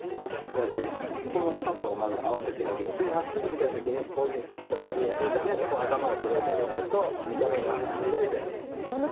この角をまず合わせてあげて真っすぐ見た時にこういうふうにピシッとなるようにするため頭をそろえてあげないと見た目が乱れちゃいます。